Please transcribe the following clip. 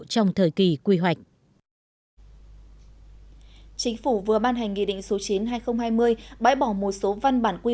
trong thời kỳ quy hoạch chính phủ vừa ban hành nghị định số chín hai nghìn hai mươi bãi bỏ một số văn bản quy